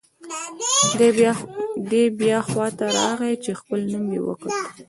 دی بیا خوا ته راغی چې خپل نوم یې وکوت.